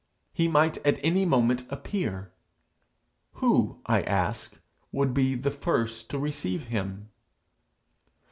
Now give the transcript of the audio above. He might at any moment appear: who, I ask, would be the first to receive him?